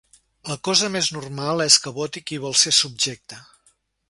La cosa més normal és que voti qui vol ser subjecte.